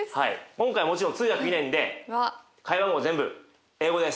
今回もちろん通訳いないんで会話も全部英語です。